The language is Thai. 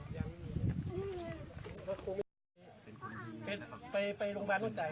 ทำตัวนี้ไม่มีทำตัวนี้ไม่มี